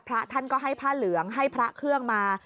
พระท่านก็ให้ผ้าเหลืองให้พระเครื่องมา